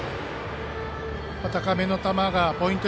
高めの球がポイント